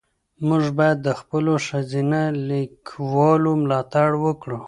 موږ باید د خپلو ښځینه لیکوالو ملاتړ وکړو.